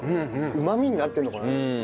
うまみになってるのかな？